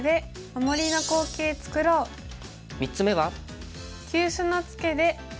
３つ目は。